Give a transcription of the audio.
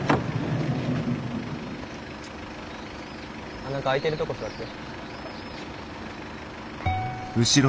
あっ何か空いてるとこ座って。